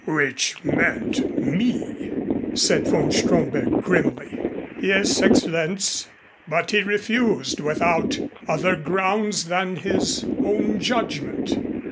"Which meant me," said von Stromberg grimly. "Yes, Excellenz. But he refused without other grounds than his own judgment."